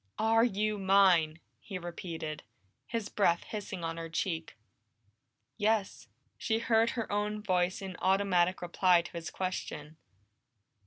"Are you mine?" he repeated, his breath hissing on her cheek. "Yes." She heard her own voice in automatic reply to his question.